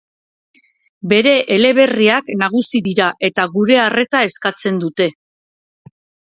Bere eleberriak nagusi dira eta gure arreta eskatzen dute.